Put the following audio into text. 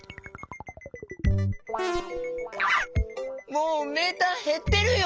もうメーターへってるよ。